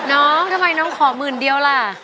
น้องทำไมน้องขอหมื่นเดียวล่ะ